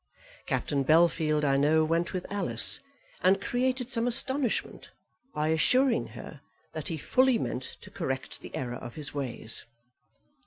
Captain Bellfield, I know, went with Alice, and created some astonishment by assuring her that he fully meant to correct the error of his ways.